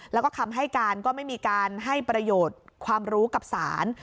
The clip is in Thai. แล้วก็คำให้การก็ไม่มีการให้ประโยชน์ความรู้กับศาล